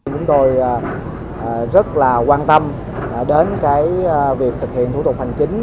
chúng tôi rất quan tâm đến việc thực hiện thủ tục hành chính